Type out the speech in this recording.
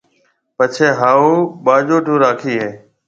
پڇيَ ھاھُو ٻاجوٽيو راکيَ ھيََََ